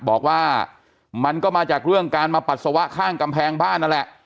บอกว่ามันก็มาจากเรื่องการมาปัสสาวะข้างกำแพงบ้านนั่นแหละ